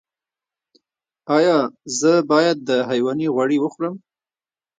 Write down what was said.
ایا زه باید د حیواني غوړي وخورم؟